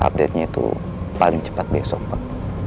update nya itu paling cepat besok pak